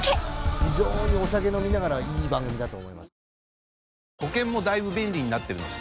非常にお酒を飲みながらはいい番組だと思います。